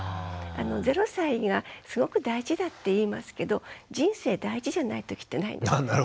０歳がすごく大事だっていいますけど人生大事じゃないときってないんですね。